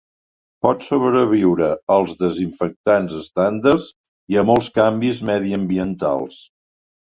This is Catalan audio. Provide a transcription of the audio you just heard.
Pot sobreviure als desinfectants estàndards i a molts canvis mediambientals.